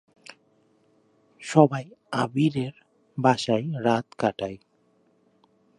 সবাই "আবির"-এর বাসায় রাত কাটায়।